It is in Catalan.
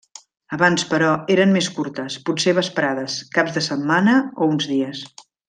Abans però, eren més curtes, potser vesprades, caps de setmana o uns dies.